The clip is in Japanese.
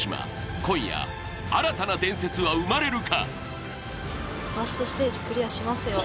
今夜、新たな伝説は生まれるか。